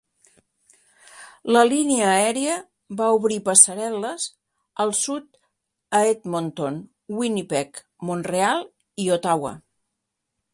La línia aèria va obrir passarel·les al sud a Edmonton, Winnipeg, Mont-real i Ottawa.